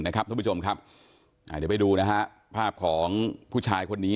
เดี๋ยวไปดูภาพของผู้ชายคนนี้